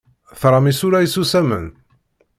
Tram isura isusamen?